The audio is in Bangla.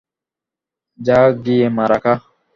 যা গিয়ে মারা খা।